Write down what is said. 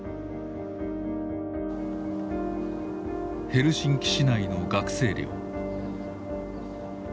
ヘルシンキ市内の学生寮。